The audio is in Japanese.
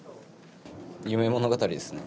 夢物語ですね。